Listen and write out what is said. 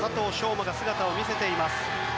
馬が姿を見せています。